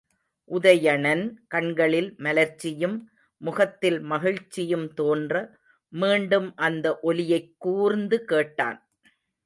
உதயணன் கண்களில் மலர்ச்சியும் முகத்தில் மகிழ்ச்சியும் தோன்ற, மீண்டும் அந்த ஒலியைக் கூர்ந்து கேட்டான்.